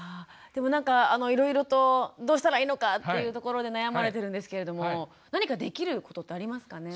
でもなんかいろいろとどうしたらいいのかっていうところで悩まれてるんですけれども何かできることってありますかね？